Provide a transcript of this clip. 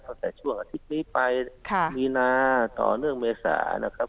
ตั้งแต่ช่วงอาทิตย์นี้ไปมีนาต่อเนื่องเมษานะครับ